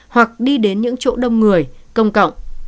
hoặc đi đến những chỗ đông người công cộng